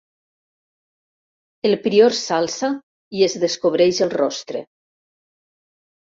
El prior s'alça i es descobreix el rostre.